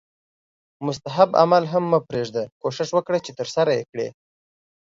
مستحب عمل هم مه پریږده کوښښ وکړه چې ترسره یې کړې